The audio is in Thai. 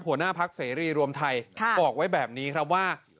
หัวหน้าพักเสรีรวมไทยบอกไว้แบบนี้ครับว่า